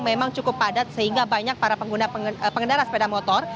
memang cukup padat sehingga banyak para pengendara sepeda motor